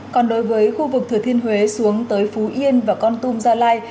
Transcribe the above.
còn đối với khu vực thừa thiên huế xuống tới phú yên và con tum gia lai